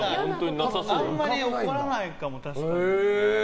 あんまり怒らないかも、確かに。